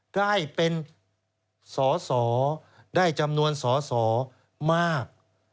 ได้เป็นสอสอได้จำนวนสอสอมาก